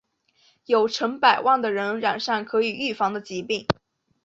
有成百万的人染上可以预防的疾病。